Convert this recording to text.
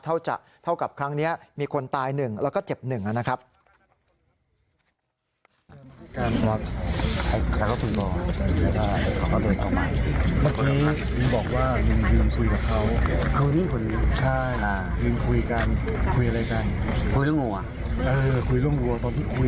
เท่ากับครั้งนี้มีคนตาย๑แล้วก็เจ็บ๑นะครับ